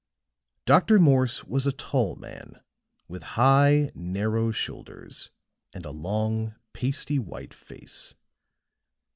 Dr. Morse was a tall man, with high, narrow shoulders and a long, pasty white face.